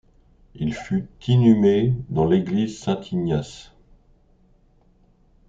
Il fut inhumé dans l'église Saint-Ignace.